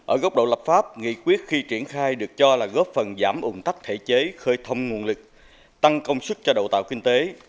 ở góc độ lập pháp nghị quyết khi triển khai được cho là góp phần giảm ủng tắc thể chế khơi thông nguồn lực tăng công suất cho đậu tạo kinh tế